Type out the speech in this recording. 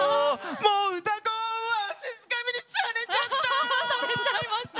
もう「うたコン」にわしづかみにされちゃった！